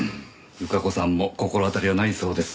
由香子さんも心当たりはないそうです。